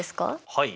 はい。